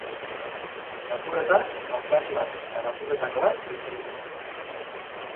Lapurretan bankari bat eta lapurretako bat hiltzen dira.